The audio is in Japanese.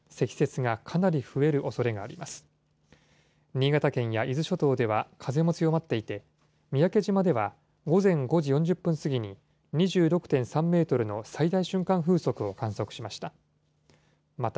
新潟県や伊豆諸島では風も強まっていて、三宅島では午前５時４０分過ぎに、２６．３メートルの最大瞬間風速を観測しました。